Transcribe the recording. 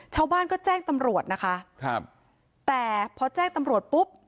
ชาวบ้านก็แจ้งตำรวจนะคะครับแต่พอแจ้งตำรวจปุ๊บ